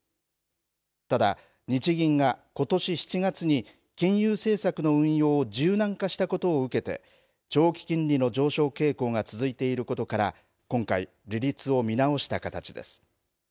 ただ、日銀がことし７月に金融政策の運用を柔軟化したことを受けて長期金利の上昇傾向が続いていることから今回、利率を見直した形です。